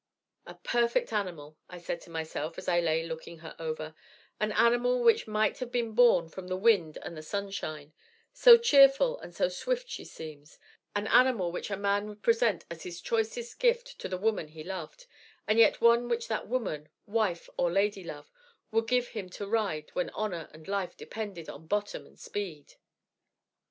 'A perfect animal,' I said to myself as I lay looking her over 'an animal which might have been born from the wind and the sunshine, so cheerful and so swift she seems; an animal which a man would present as his choicest gift to the woman he loved, and yet one which that woman, wife or lady love, would give him to ride when honor and life depended on bottom and speed.'